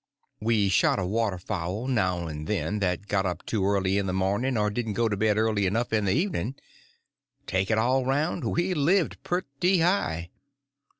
We shot a water fowl now and then that got up too early in the morning or didn't go to bed early enough in the evening. Take it all round, we lived pretty high.